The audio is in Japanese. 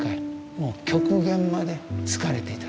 もう極限まで疲れていたと。